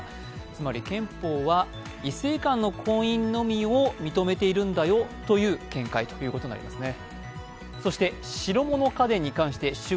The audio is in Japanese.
つまり憲法は異性間の婚姻のみを認めているんだよという見解ということになりますね。